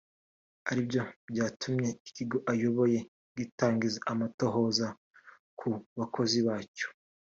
aribyo byatumye ikigo ayoboye gitangiza amatohoza ku bakozi bacyo